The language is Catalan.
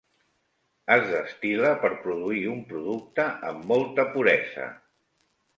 Es destil·la per produir un producte amb molta puresa.